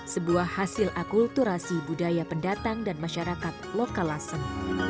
sebuah hasil akulturasi budaya pendatang dan masyarakat lokal asem